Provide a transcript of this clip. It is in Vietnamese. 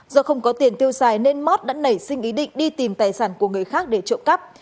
do không có tiền tiêu xài nên mát đã nảy sinh ý định đi tìm tài sản của người khác để trộm cắp